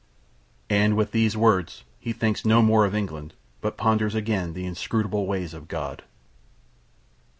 And with these words he thinks no more of England but ponders again the inscrutable ways of God.